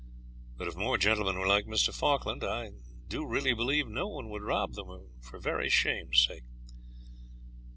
But if more gentlemen were like Mr. Falkland I do really believe no one would rob them for very shame's sake.